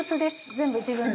全部自分の。